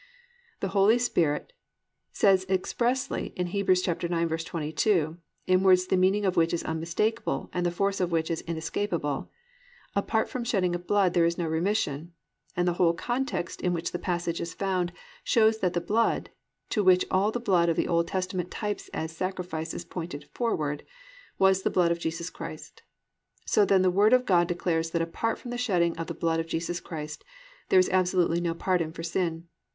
The Holy Spirit says expressly in Heb. 9:22, in words the meaning of which is unmistakable, and the force of which is inescapable, "Apart from shedding of blood there is no remission," and the whole context in which the passage is found shows that the blood, to which all the blood of the Old Testament types as sacrifices pointed forward, was the blood of Jesus Christ. So then the Word of God declares that apart from the shedding of the blood of Jesus Christ there is absolutely no pardon for sin.